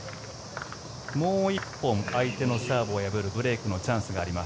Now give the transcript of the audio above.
もう１本相手のサーブを破るブレークのチャンスがあります。